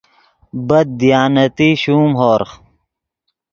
بد دیانتی شوم ہورغ